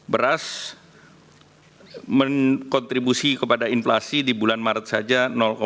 beras mengontribusi kepada inflasi di bulan maret saja tujuh puluh empat